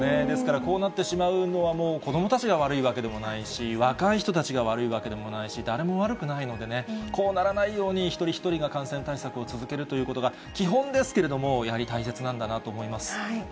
ですからこうなってしまうのはもう、子どもたちが悪いわけでもないし、若い人たちが悪いわけでもないし、誰も悪くないのでね、こうならないように、一人一人が感染対策を続けるということが基本ですけれども、やはり大切なんだなと思い